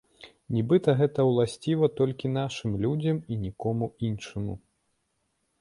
Нібыта гэта ўласціва толькі нашым людзям і нікому іншаму.